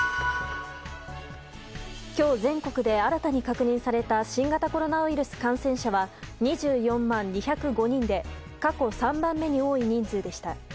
今日、全国で新たに確認された新型コロナウイルス感染者は２４万２０５人で過去３番目に多い人数でした。